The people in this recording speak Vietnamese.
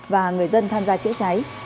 và người dân tham gia cháy cháy